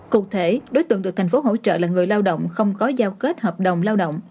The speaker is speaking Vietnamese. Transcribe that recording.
cụ thể đối tượng được thành phố hỗ trợ là người lao động không có giao kết hợp đồng lao động